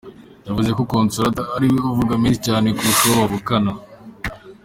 Yavuze ko Consolata ari we uvuga menshi cyane kurusha uwo bavukana.